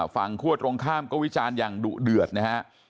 คั่วตรงข้ามก็วิจารณ์อย่างดุเดือดนะฮะ